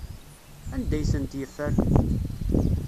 Anda ay tent-yeffer?